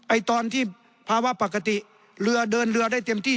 ตอนที่ภาวะปกติเรือเดินเรือได้เต็มที่